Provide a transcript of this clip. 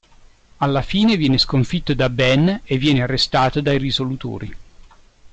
Alla fine viene sconfitto da Ben e viene arrestato dai Risolutori.